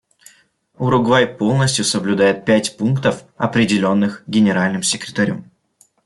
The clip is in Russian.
Уругвай полностью соблюдает пять пунктов, определенных Генеральным секретарем.